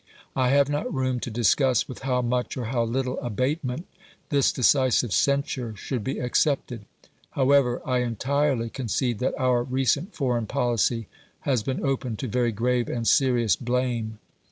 I have not room to discuss with how much or how little abatement this decisive censure should be accepted. However, I entirely concede that our recent foreign policy has been open to very grave and serious blame.